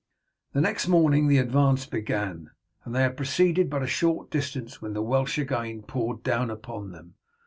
The next morning the advance began, and they had proceeded but a short distance when the Welsh again poured down upon them.